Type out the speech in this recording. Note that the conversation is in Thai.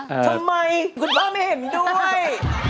ทำไมคุณพ่อไม่เห็นด้วย